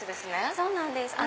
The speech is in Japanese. そうなんです。